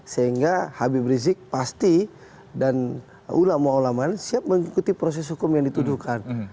sehingga habib rizik pasti dan ulama ulama siap mengikuti proses hukum yang dituduhkan